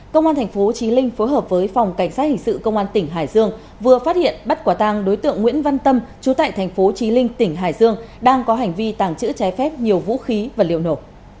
công an thành phố trí linh phối hợp với phòng cảnh sát hình sự công an tỉnh hải dương vừa phát hiện bắt quả tăng đối tượng nguyễn văn tâm chú tại thành phố trí linh tỉnh hải dương đang có hành vi tàng trữ trái phép nhiều vũ khí và liệu nổ